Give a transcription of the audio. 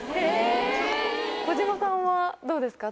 児嶋さんはどうですか？